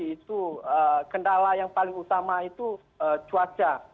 itu kendala yang paling utama itu cuaca